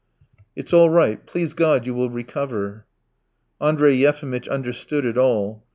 "It's all right; please God, you will recover." Andrey Yefimitch understood it all.